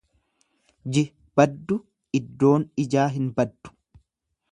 ji baddu, iddoon ijaa hin baddu.